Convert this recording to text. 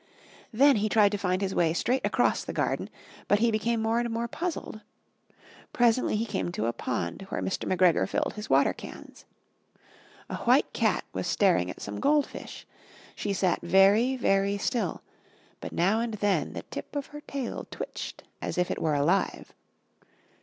Then he tried to find his way straight across the garden, but he became more and more puzzled. Presently he came to a pond where Mr. McGregor filled his water cans. A white cat was staring at some gold fish; she sat very, very still, but now and then the tip of her tail twitched as if it were alive.